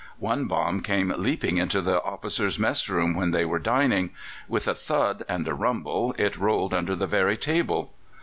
One bomb came leaping into the officers' mess room when they were dining. With a thud and a rumble it rolled under the very table.